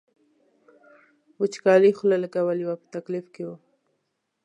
وچکالۍ خوله لګولې وه په تکلیف کې و.